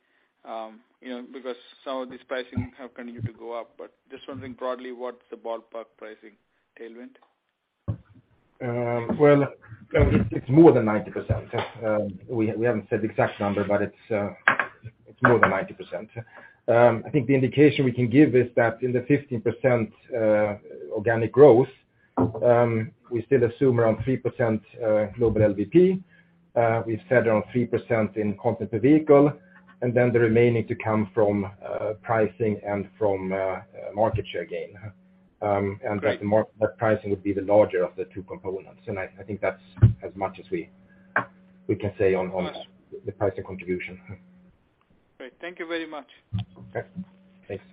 You know, because some of these pricing have continued to go up, but just wondering broadly, what's the ballpark pricing tailwind?
Well, it's more than 90%. We haven't said the exact number, but it's more than 90%. I think the indication we can give is that in the 15% organic growth, we still assume around 3% global LVP. We've said around 3% in content per vehicle, and then the remaining to come from pricing and from market share gain. And that pricing would be the larger of the two components. I think that's as much as we can say on the pricing contribution.
Great. Thank you very much.
Okay. Thanks.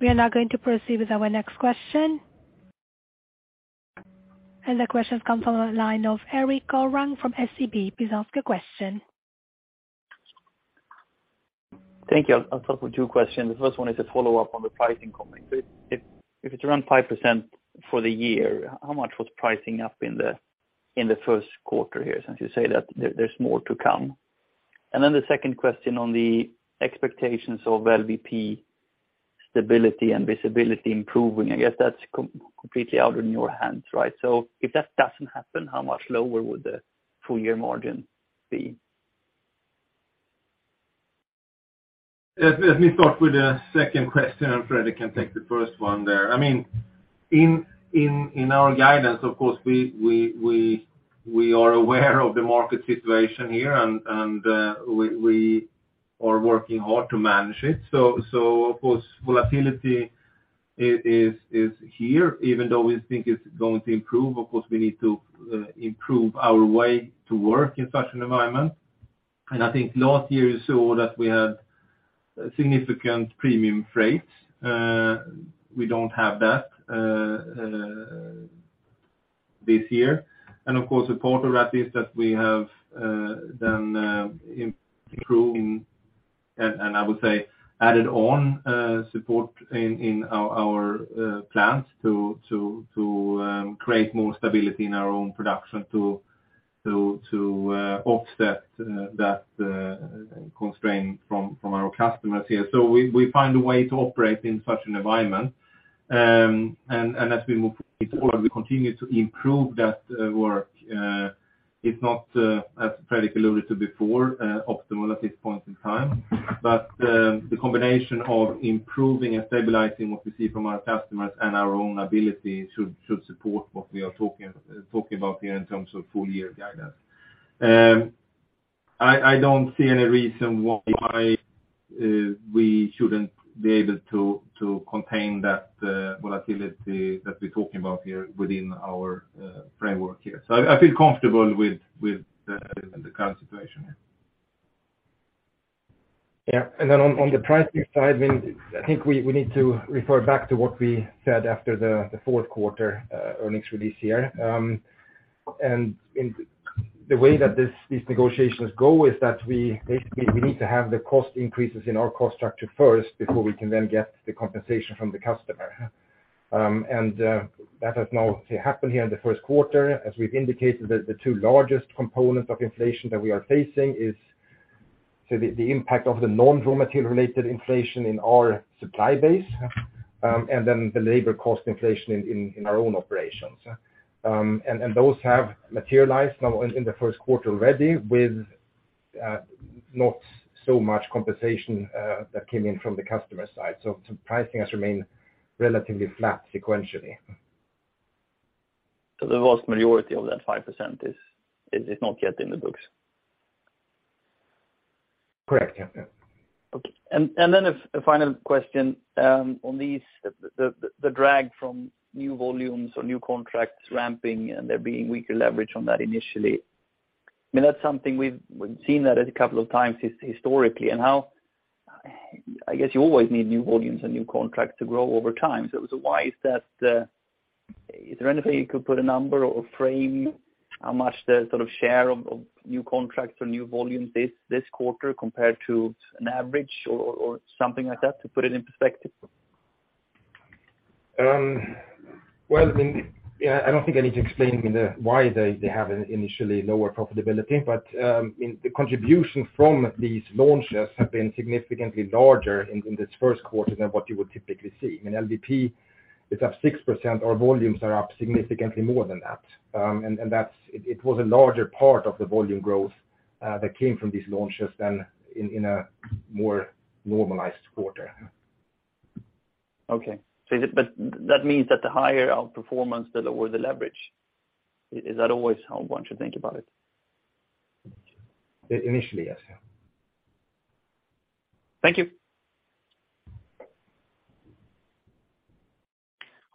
We are now going to proceed with our next question. The question comes from the line of Erik Golrang from SEB. Please ask your question.
Thank you. I'll start with two questions. The first one is a follow-up on the pricing comment. If it's around 5% for the year, how much was pricing up in the first quarter here, since you say that there's more to come? The second question on the expectations of LVP stability and visibility improving. I guess that's completely out of your hands, right? If that doesn't happen, how much lower would the full year margin be?
Let me start with the second question, and Fredrik can take the first one there. I mean, in our guidance, of course, we are aware of the market situation here and we are working hard to manage it. Of course, volatility is here, even though we think it's going to improve. Of course, we need to improve our way to work in such an environment. I think last year you saw that we had significant premium rates. We don't have that this year. Of course, the part of that is that we have, then, improved and, I would say added on, support in, our, plants to create more stability in our own production to offset that constraint from our customers here. We find a way to operate in such an environment. As we move forward, we continue to improve that work. It's not as Fredrik alluded to before, optimal at this point in time. The combination of improving and stabilizing what we see from our customers and our own ability should support what we are talking about here in terms of full year guidance. I don't see any reason why we shouldn't be able to contain that volatility that we're talking about here within our framework here. I feel comfortable with the current situation here.
Yeah. On the pricing side, I mean, I think we need to refer back to what we said after the fourth quarter earnings release here. In the way that these negotiations go is that we basically need to have the cost increases in our cost structure first before we can then get the compensation from the customer. That has now happened here in the first quarter. As we've indicated that the two largest components of inflation that we are facing is, say, the impact of the non-raw material related inflation in our supply base, and then the labor cost inflation in our own operations. Those have materialized now in the first quarter already with not so much compensation that came in from the customer side. Pricing has remained relatively flat sequentially.
The vast majority of that 5% is not yet in the books?
Correct. Yeah. Yeah.
Okay. Then a final question, on these, the drag from new volumes or new contracts ramping and there being weaker leverage on that initially, I mean, that's something we've seen that a couple of times historically. How... I guess you always need new volumes and new contracts to grow over time. Why is that... Is there anything you could put a number or frame how much the sort of share of new contracts or new volumes this quarter compared to an average or something like that to put it in perspective?
Well, I mean, yeah, I don't think I need to explain the why they have an initially lower profitability. I mean, the contribution from these launches have been significantly larger in this first quarter than what you would typically see. I mean, LVP is up 6%. Our volumes are up significantly more than that. And it was a larger part of the volume growth that came from these launches than in a more normalized quarter.
That means that the higher our performance, the lower the leverage. Is that always how one should think about it?
Initially, yes.
Thank you.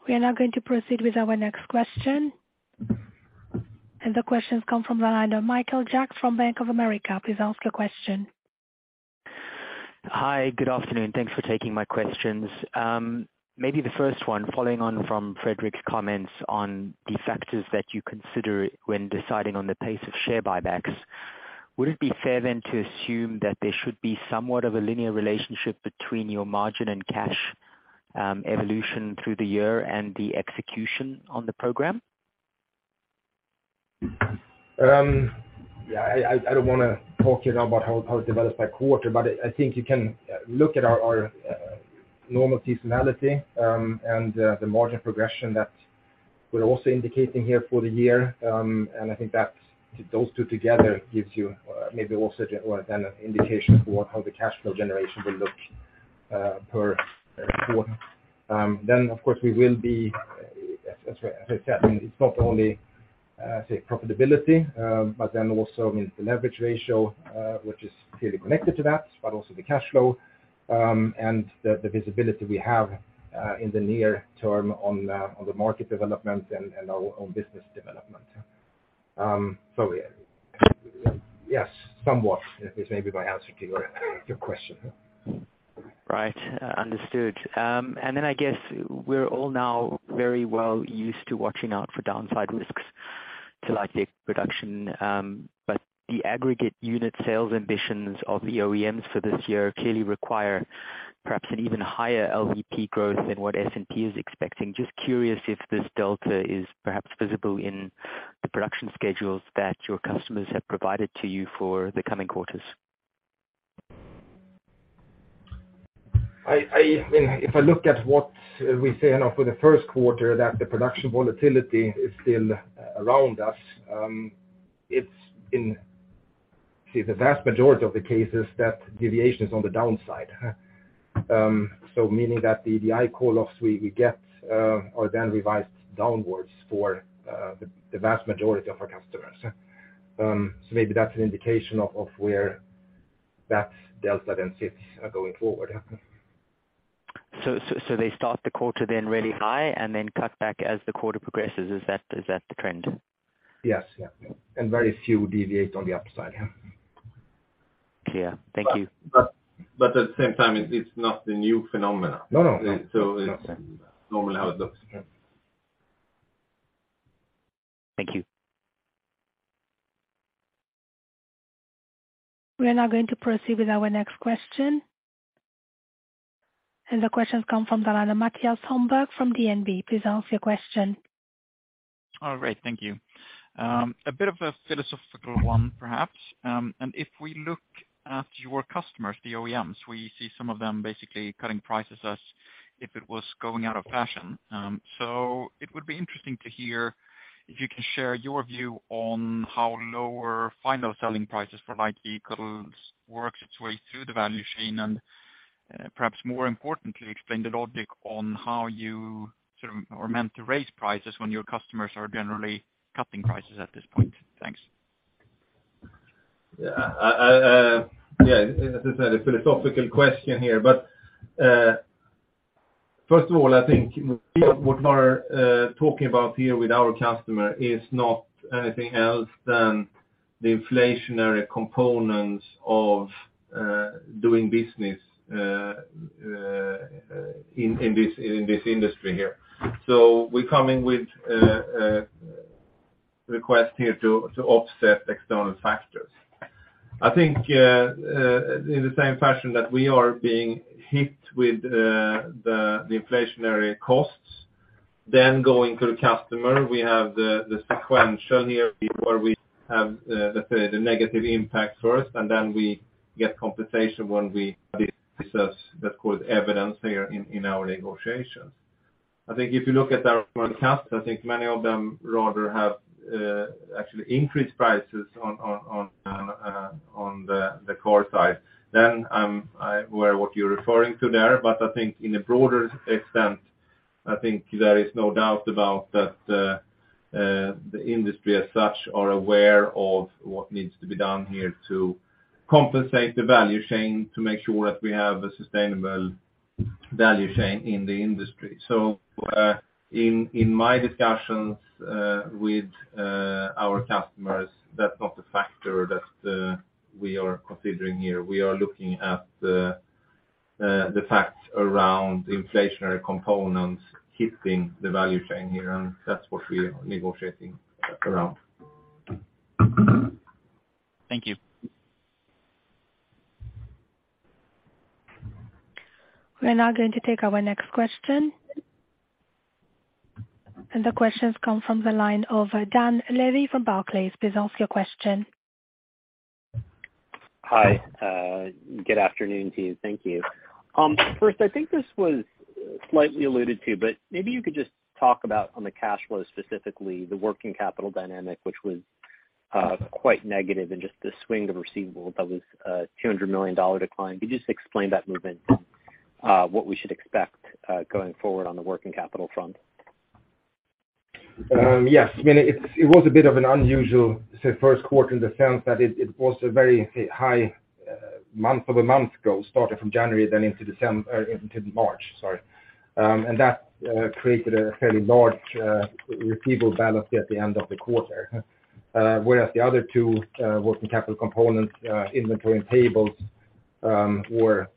We are now going to proceed with our next question. The question's come from the line of Michael Jacks from Bank of America. Please ask your question.
Hi. Good afternoon. Thanks for taking my questions. Maybe the first one, following on from Fredrik's comments on the factors that you consider when deciding on the pace of share buybacks, would it be fair to assume that there should be somewhat of a linear relationship between your margin and cash evolution through the year and the execution on the program?
Yeah, I don't wanna talk here now about how it develops by quarter, but I think you can look at our normal seasonality, and the margin progression that we're also indicating here for the year. I think that's, those two together gives you maybe also then an indication for how the cash flow generation will look per quarter. Of course, we will be as I said, I mean, it's not only say profitability, but then also, I mean, the leverage ratio, which is clearly connected to that, but also the cash flow, and the visibility we have in the near term on the market development and our own business development. Yeah. Yes, somewhat is maybe my answer to your question.
Right. Understood. Then I guess we're all now very well used to watching out for downside risks to Light Vehicle Production, but the aggregate unit sales ambitions of the OEMs for this year clearly require perhaps an even higher LVP growth than what S&P is expecting. Just curious if this delta is perhaps visible in the production schedules that your customers have provided to you for the coming quarters.
I mean, if I look at what we say now for the first quarter, that the production volatility is still around us, it's in, say, the vast majority of the cases that deviation is on the downside. Meaning that the DI call-offs we get are then revised downwards for the vast majority of our customers. Maybe that's an indication of where that delta then sits going forward.
They start the quarter then really high and then cut back as the quarter progresses. Is that the trend?
Yes. Yeah. Very few deviate on the upside.
Clear. Thank you.
But-
At the same time, it's not a new phenomena.
No, no.
It's normally how it looks.
Yeah.
Thank you.
We are now going to proceed with our next question. The question's come from the line of Mattias Holmberg from DNB. Please ask your question.
Great. Thank you. A bit of a philosophical one perhaps. If we look at your customers, the OEMs, we see some of them basically cutting prices as if it was going out of fashion. It would be interesting to hear if you can share your view on how lower final selling prices for light vehicles works its way through the value chain, and perhaps more importantly, explain the logic on how you sort of are meant to raise prices when your customers are generally cutting prices at this point. Thanks.
Yeah, as I said, a philosophical question here. First of all, I think what we are talking about here with our customer is not anything else than the inflationary components of doing business in this industry here. We're coming with request here to offset external factors. I think, in the same fashion that we are being hit with the inflationary costs, going to the customer, we have the sequential here where we have the negative impact first, and then we get compensation when we discuss that cause evidence here in our negotiations. I think if you look at our customers, I think many of them rather have actually increased prices on the core side than where what you're referring to there. I think in a broader extent, I think there is no doubt about that the industry as such are aware of what needs to be done here to compensate the value chain to make sure that we have a sustainable value chain in the industry. In my discussions with our customers, that's not a factor that we are considering here. We are looking at the facts around inflationary components hitting the value chain here, and that's what we're negotiating around.
Thank you.
We are now going to take our next question. The question's come from the line of Dan Levy from Barclays. Please ask your question.
Hi, good afternoon to you. Thank you. First, I think this was slightly alluded to, but maybe you could just talk about on the cash flow, specifically the trade working capital dynamic, which was quite negative, and just the swing of receivables that was a $200 million decline. Could you just explain that movement, what we should expect, going forward on the trade working capital front?
Yes. I mean, it was a bit of an unusual say first quarter in the sense that it was a very high month-over-month growth started from January then into March, sorry. That created a fairly large receivable balance at the end of the quarter. Whereas the other two working capital components, inventory and payables, were,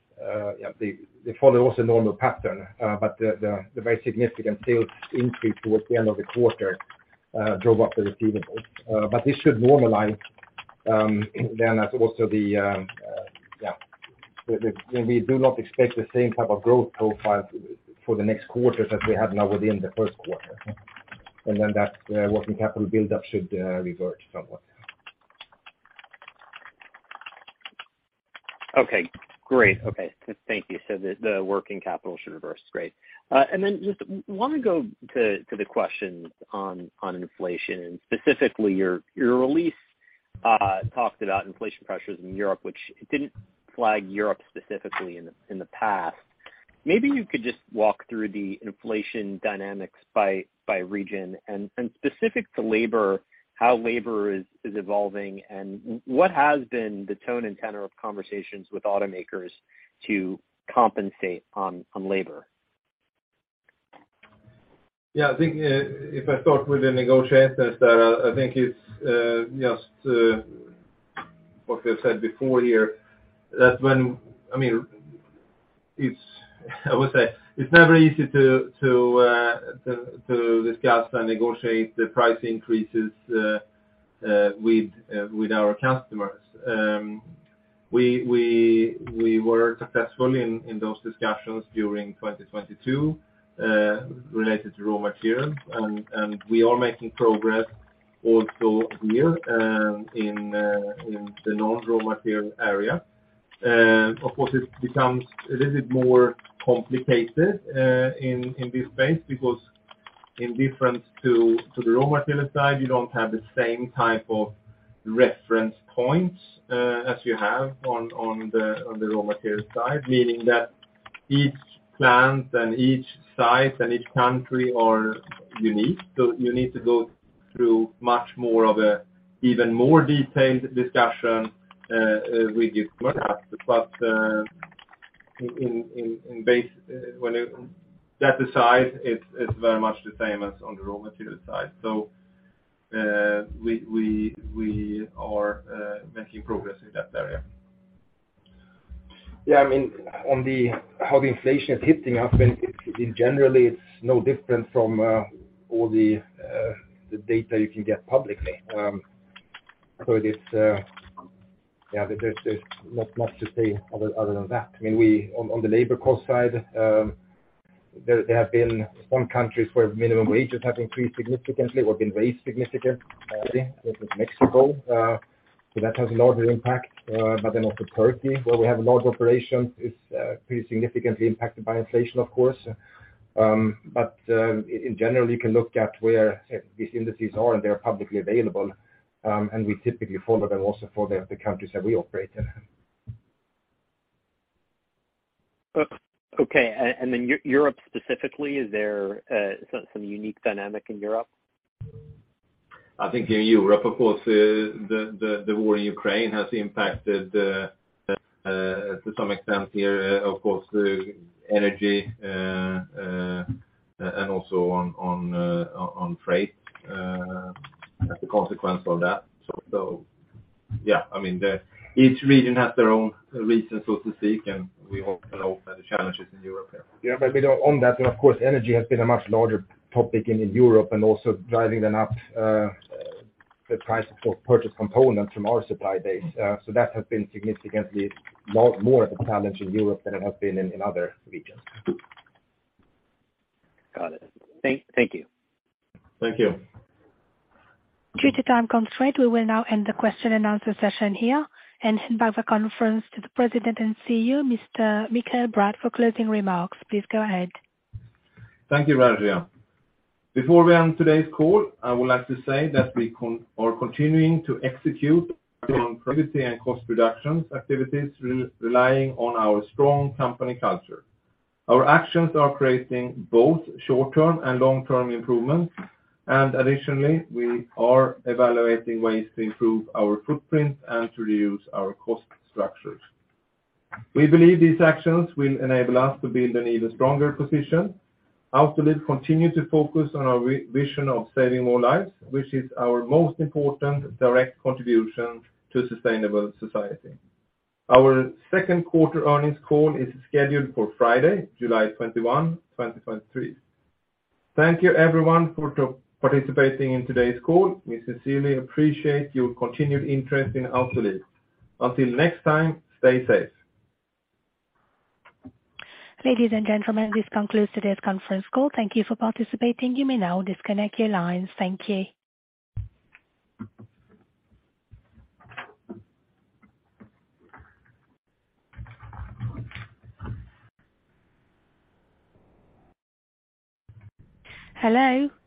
they followed also normal pattern. The very significant sales increase towards the end of the quarter drove up the receivables. This should normalize then as also the. We do not expect the same type of growth profile for the next quarters as we have now within the first quarter. Then that working capital build-up should revert somewhat.
Okay, great. Thank you. The working capital should reverse. Great. Then just wanna go to the questions on inflation and specifically your release talked about inflation pressures in Europe, which it didn't flag Europe specifically in the past. Maybe you could just walk through the inflation dynamics by region and specific to labor, how labor is evolving and what has been the tone and tenor of conversations with automakers to compensate on labor?
I think, if I start with the negotiations there, I think it's just what we have said before here, that when I mean, it's, I would say, it's never easy to discuss and negotiate the price increases with our customers. We were successful in those discussions during 2022 related to raw materials. We are making progress also here in the non-raw material area. Of course, it becomes a little bit more complicated in this space because in difference to the raw material side, you don't have the same type of reference points as you have on the raw material side, meaning that each plant and each site and each country are unique. You need to go through much more of a even more detailed discussion with your customers. That aside, it's very much the same as on the raw material side. We are making progress in that area. I mean, on the, how the inflation is hitting us, I mean, it generally it's no different from all the data you can get publicly. It is, yeah, there's not much to say other than that. I mean, we on the labor cost side, there have been some countries where minimum wages have increased significantly or been raised significantly. I think it was Mexico, so that has a larger impact. Also Turkey, where we have large operations, is pretty significantly impacted by inflation, of course. In generally, you can look at where these indices are, and they're publicly available. We typically follow them also for the countries that we operate in.
okay. Then Europe specifically, is there, some unique dynamic in Europe?
I think in Europe, of course, the war in Ukraine has impacted, to some extent here, of course, the energy, and also on freight, as a consequence of that. Yeah, I mean Each region has their own reasons, so to speak, and we hope can open the challenges in Europe. Yeah.
We know on that, energy has been a much larger topic in Europe and also driving them up the price for purchase components from our supply base. That has been significantly more of a challenge in Europe than it has been in other regions.
Got it. Thank you.
Thank you.
Due to time constraint, we will now end the question and answer session here. Invite the conference to the President and CEO, Mr. Mikael Bratt for closing remarks. Please go ahead.
Thank you, Rafiya. Before we end today's call, I would like to say that we are continuing to execute on productivity and cost reductions activities relying on our strong company culture. Our actions are creating both short-term and long-term improvements, and additionally, we are evaluating ways to improve our footprint and to reduce our cost structures. We believe these actions will enable us to build an even stronger position. Autoliv continue to focus on our vision of saving more lives, which is our most important direct contribution to a sustainable society. Our second quarter earnings call is scheduled for Friday, July 21, 2023. Thank you everyone for participating in today's call. We sincerely appreciate your continued interest in Autoliv. Until next time, stay safe.
Ladies and gentlemen, this concludes today's conference call. Thank you for participating. You may now disconnect your lines. Thank you.